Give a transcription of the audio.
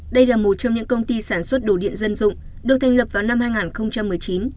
đây là một trong những công ty sản xuất đồ điện dân dụng được thành lập vào năm hai nghìn một mươi chín